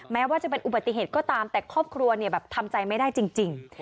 แม้ว่าจะเป็นอุบัติเหตุก็ตามแต่ครอบครัวเนี่ยแบบทำใจไม่ได้จริง